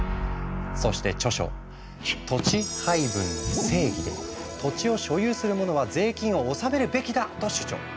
そして著書「土地配分の正義」で「土地を所有する者は税金を納めるべきだ」と主張。